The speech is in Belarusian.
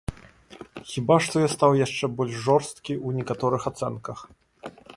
Хіба што я стаў яшчэ больш жорсткі ў некаторых ацэнках.